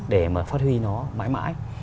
để mà phát huy nó mãi mãi